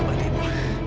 aku bantu ibu